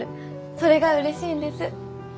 それがうれしいんです。